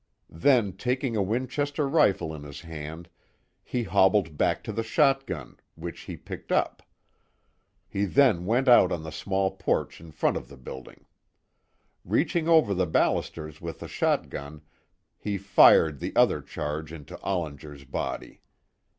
Then taking a Winchester rifle in his hand, he hobbled back to the shot gun, which he picked up. He then went out on the small porch in front of the building. Reaching over the ballisters with the shotgun, he fired the other charge into Ollinger's body.